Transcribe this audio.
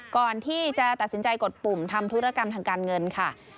ก่อนที่จะตัดสินใจกดปุ่มทำธุรกรรมทางการเงินค่ะ